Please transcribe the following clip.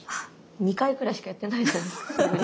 ２回くらいしかやってないですよね。